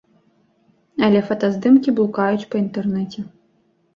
Але фотаздымкі блукаюць па інтэрнэце.